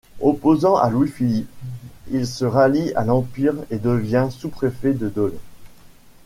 Opposant à Louis-Philippe, il se rallie à l'Empire et devient sous-préfet de Dole.